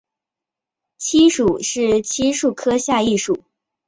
漆属是漆树科下一属。